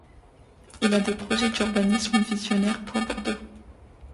Il a des projets d'urbanisme visionnaires pour Bordeaux.